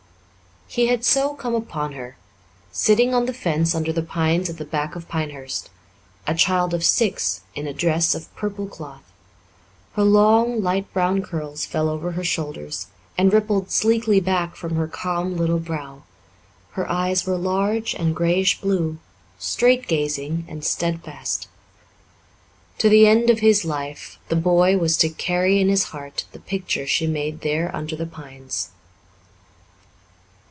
He had so come upon her, sitting on the fence under the pines at the back of Pinehurst a child of six in a dress of purple cloth. Her long, light brown curls fell over her shoulders and rippled sleekly back from her calm little brow; her eyes were large and greyish blue, straight gazing and steadfast. To the end of his life the boy was to carry in his heart the picture she made there under the pines.